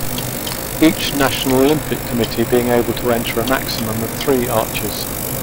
Each National Olympic Committee being able to enter a maximum of three archers.